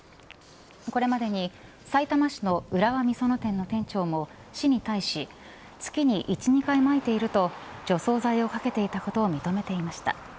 これまでにさいたま市と浦和美園店の店長も市に対し月に１、２回まいていると除草剤をかけていたことを認めていました。